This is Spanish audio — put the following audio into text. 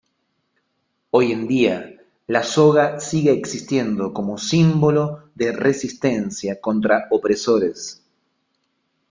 Hoy en día la soga sigue existiendo como símbolo de resistencia contra opresores.